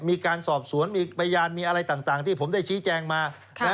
มีการสอบสวนมีพยานมีอะไรต่างที่ผมได้ชี้แจงมา